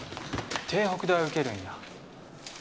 帝北大受けるんや？